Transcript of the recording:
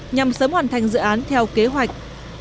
nhằm sớm hoàn thành dự án theo kế hoạch